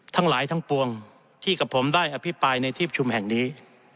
ทั้งหลายทั้งปวงที่กับผมได้อภิปรายในที่ประชุมแห่งนี้